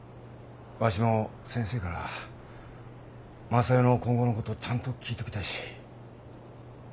わしも先生から昌代の今後のことちゃんと聞いときたいし。